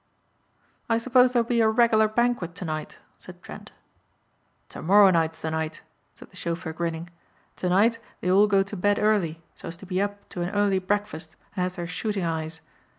"I suppose there'll be a regular banquet tonight," said Trent. "Tomorrow night's the night," said the chauffeur grinning, "tonight they all go to bed early so as to be up to an early breakfast and have their shooting eyes.